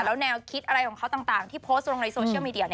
แล้วแนวคิดอะไรของเขาต่างที่โพสต์ลงในโซเชียลมีเดีย